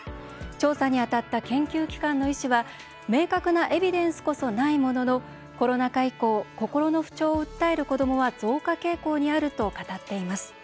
調査に当たった研究機関の医師は「明確なエビデンスこそないもののコロナ禍以降心の不調を訴える子どもは増加傾向にある」と語っています。